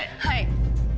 はい。